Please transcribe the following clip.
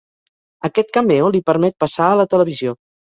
Aquest cameo li permet passar a la televisió.